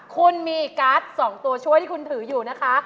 คุณมีการ์ด๒ตัวช่วยที่คุณถืออยู่นะคะ